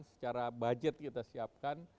secara budget kita siapkan